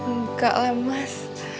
enggak lah mas